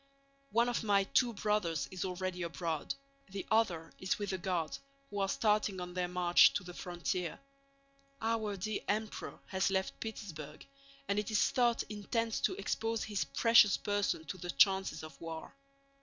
One of my two brothers is already abroad, the other is with the Guards, who are starting on their march to the frontier. Our dear Emperor has left Petersburg and it is thought intends to expose his precious person to the chances of war.